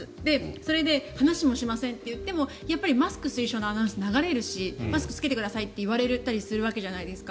それで話もしませんといってもマスク推奨のアナウンスが流れるしマスクを着けてくださいって言われたりするわけじゃないですか。